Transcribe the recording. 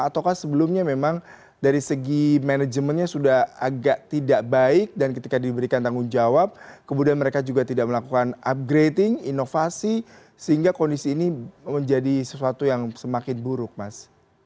atau sebelumnya memang dari segi manajemennya sudah agak tidak baik dan ketika diberikan tanggung jawab kemudian mereka juga tidak melakukan upgrading inovasi sehingga kondisi ini menjadi sesuatu yang semakin buruk mas